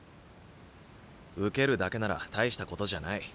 受けるだけなら大したことじゃない。